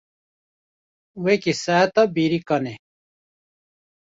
Weke saeta bêrîkan e.